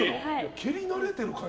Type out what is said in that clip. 蹴り慣れてる感じ。